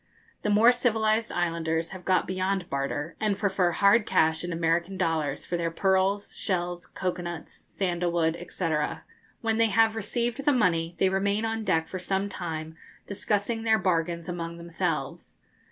The more civilised islanders have got beyond barter, and prefer hard cash in American dollars for their pearls, shells, cocoa nuts, sandal wood, &c. When they have received the money, they remain on deck for some time discussing their bargains among themselves.